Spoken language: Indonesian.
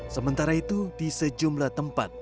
sementara itu di sejumlah tempat